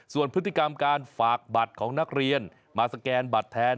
ส่วนพฤติกรรมการฝากบัตรของนักเรียนมาสแกนบัตรแทน